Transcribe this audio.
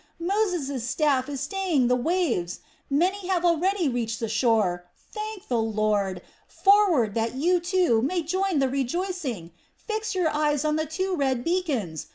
Moses' staff is staying the waves. Many have already reached the shore. Thank the Lord! Forward, that you, too, may join in the rejoicing! Fix your eyes on the two red beacons!